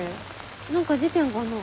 何か事件かな？